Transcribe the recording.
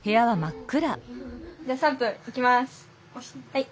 はい。